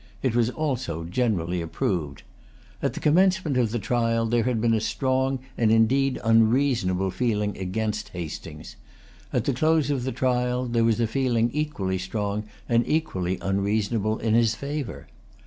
It was also generally approved. At the commencement of the trial there had been a strong and indeed unreasonable feeling against Hastings. At the[Pg 234] close of the trial there was a feeling equally strong and equally unreasonable in his favor.